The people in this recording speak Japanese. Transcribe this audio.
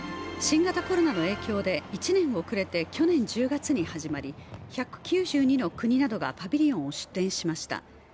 新型コロナの影響で１年遅れて去年１０月に始まり、１９２の国などがパビリオンを出展しました。